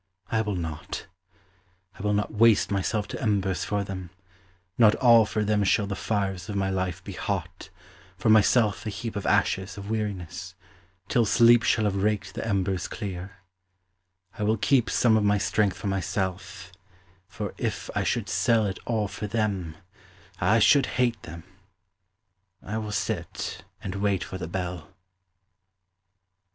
I will not! I will not waste myself to embers for them, Not all for them shall the fires of my life be hot, For myself a heap of ashes of weariness, till sleep Shall have raked the embers clear: I will keep Some of my strength for myself, for if I should sell It all for them, I should hate them I will sit and wait for the bell.